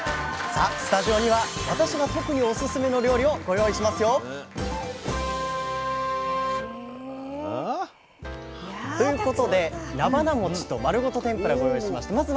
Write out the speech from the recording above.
さあスタジオには私が特にオススメの料理をご用意しますよ！ということでなばなもちと丸ごと天ぷらご用意しました。